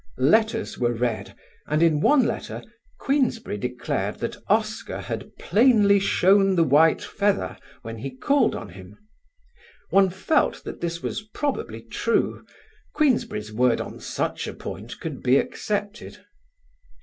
Letters were read and in one letter Queensberry declared that Oscar had plainly shown the white feather when he called on him. One felt that this was probably true: Queensberry's word on such a point could be accepted.